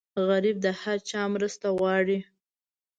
غریب د هر چا مرسته غواړي